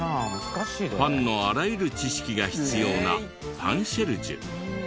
パンのあらゆる知識が必要なパンシェルジュ。